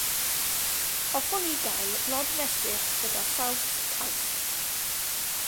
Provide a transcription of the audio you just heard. Hoffwn i gael blodfresych gyda saws caws.